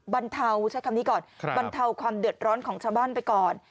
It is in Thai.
บรรเทาใช้คำนี้ก่อนบรรเทาความเดือดร้อนของชาวบ้านไปก่อน